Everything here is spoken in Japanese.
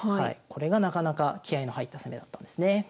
これがなかなか気合いの入った攻めだったんですね。